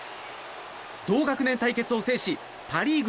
同学年対決を制しパ・リーグ